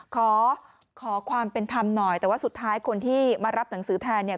ขอขอความเป็นธรรมหน่อยแต่ว่าสุดท้ายคนที่มารับหนังสือแทนเนี่ย